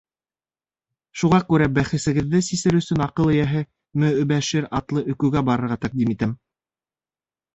Шуға күрә бәхәсегеҙҙе сисер өсөн аҡыл эйәһе Мө-Обәшир атлы өкөгә барырға тәҡдим итәм.